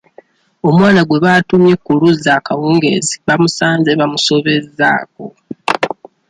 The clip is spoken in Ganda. Omwana gwe baatumye ku luzzi ekawungeezi baamusanze bamusobezaako.